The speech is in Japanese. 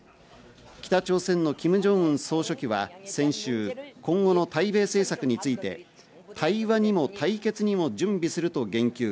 北朝鮮のキム・ジョンウン総書記は先週、今後の対米政策について、対話にも、対決にも準備すると言及。